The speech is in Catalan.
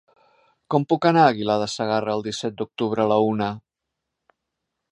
Com puc anar a Aguilar de Segarra el disset d'octubre a la una?